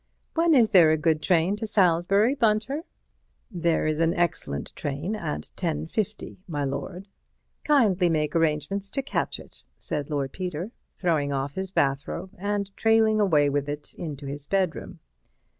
When is there a good train to Salisbury, Bunter?" "There is an excellent train at 10:50, my lord." "Kindly make arrangements to catch it," said Lord Peter, throwing off his bathrobe and trailing away with it into his bedroom.